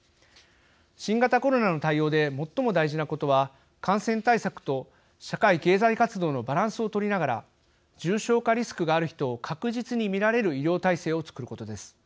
新型コロナの対応で最も大事なことは感染対策と社会経済活動のバランスを取りながら重症化リスクがある人を確実に診られる医療体制を作ることです。